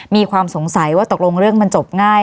มีความสงสัยว่าตกลงเรื่องมันจบง่าย